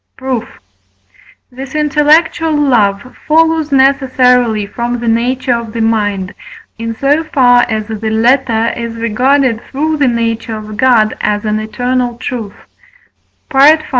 Proof. This intellectual love follows necessarily from the nature of the mind, in so far as the latter is regarded through the nature of God as an eternal truth (V.